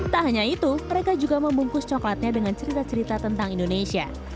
tak hanya itu mereka juga membungkus coklatnya dengan cerita cerita tentang indonesia